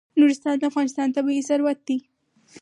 نورستان د افغانستان طبعي ثروت دی.